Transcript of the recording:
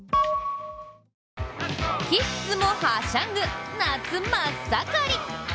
キッズもはしゃぐ、夏真っ盛り。